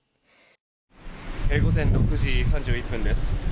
午前６時３１分です。